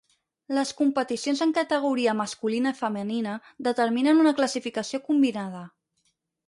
Les competicions en categoria masculina i femenina determinen una classificació combinada.